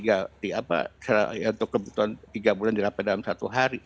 tiga apa ya untuk kebutuhan tiga bulan dirapal dalam satu hari